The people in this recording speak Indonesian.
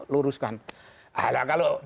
luruskan alah kalau